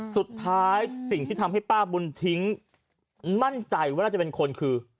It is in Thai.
สิ่งที่ทำให้ป้าบุญทิ้งมั่นใจว่าน่าจะเป็นคนคือ